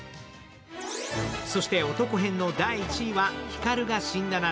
そしてオトコ編の第１位は「光が死んだ夏」。